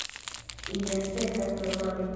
Ili aspektas normale.